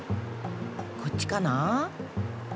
こっちかな。